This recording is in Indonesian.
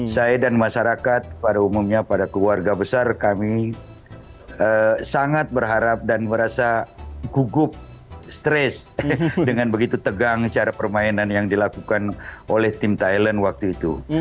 saya dan masyarakat pada umumnya pada keluarga besar kami sangat berharap dan merasa gugup stres dengan begitu tegang cara permainan yang dilakukan oleh tim thailand waktu itu